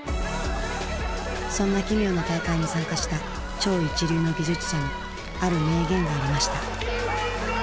そんな奇妙な大会に参加した超一流の技術者のある名言がありました。